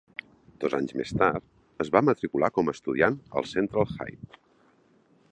Dos anys més tard, es va matricular com a estudiant al Central High.